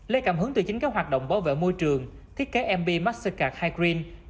lê cảm hứng từ chính các hoạt động bảo vệ môi trường thiết kế mb mastercard high green